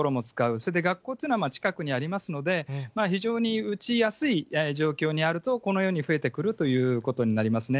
それで学校というのは近くにありますので、非常に打ちやすい状況にあると、このように増えてくるということになりますね。